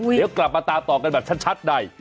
เดี๋ยวกลับมาตามต่อกันแบบชัดใน